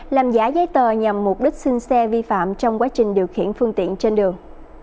làm giả giấy tờ nhằm mục đích xin xe vi phạm trong quá trình điều khiển phương tiện trên đường